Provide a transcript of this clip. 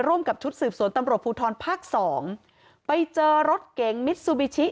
ร่วมกับชุดสืบสวนตำรวจภูทรภาคสองไปเจอรถเก๋งมิซูบิชิ